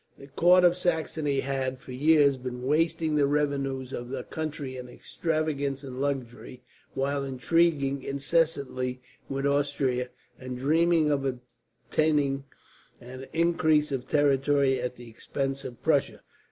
The court of Saxony had, for years, been wasting the revenues of the country in extravagance and luxury; while intriguing incessantly with Austria, and dreaming of obtaining an increase of territory at the expense of Prussia.